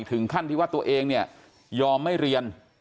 ถึงขั้นที่ว่าตัวเองเนี่ยยอมไม่เรียน